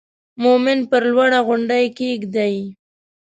مومن پر لوړه غونډۍ کېږدئ.